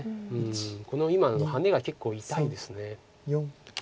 この今のハネが結構痛いです。